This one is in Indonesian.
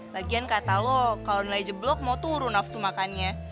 lagian kata lo kalau nilai jeblok mau turun nafsu makannya